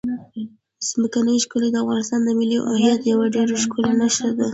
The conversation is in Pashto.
ځمکنی شکل د افغانستان د ملي هویت یوه ډېره ښکاره نښه ده.